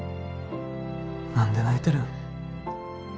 何で泣いてるん？